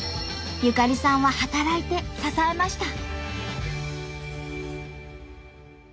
ゆかりさんは働いて支えました。